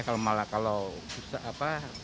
kalau malah kalau bisa apa